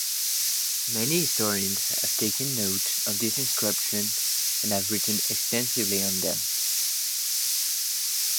Many historians have taken note of these inscriptions and have written extensively on them.